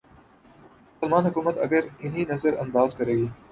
مسلماںحکومت اگر انہیں نظر انداز کرے گی۔